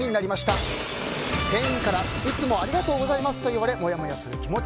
店員からいつもありがとうございますと言われてモヤモヤする気持ち。